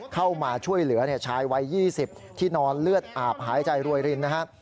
เข้ามาช่วยเหลือชายวัย๒๐ที่นอนเลือดอาบหายใจรวยรินนะครับ